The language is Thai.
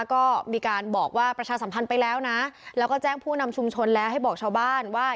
ก็มีการบอกว่าประชาสัมพันธ์ไปแล้วนะแล้วก็แจ้งผู้นำชุมชนแล้วให้บอกชาวบ้านว่า